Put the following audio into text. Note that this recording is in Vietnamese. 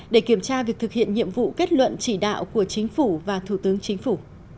để kiểm tra việc thực hiện nhiệm vụ kết luận chỉ đạo của chính phủ và thủ tướng chính phủ